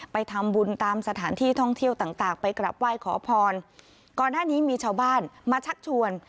ไปทำบุญตามสถานที่ท่องเที่ยวต่างต่างไปกลับไหว้ขอพรก่อนหน้านี้มีชาวบ้านมาชักชวน